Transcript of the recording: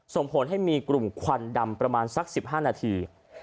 ส่งผลให้มีกลุ่มควันดำประมาณสัก๑๕นาที